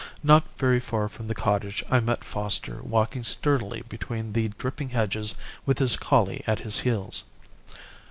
Not very far from the cottage I met Foster walking sturdily between the dripping hedges with his collie at his heels.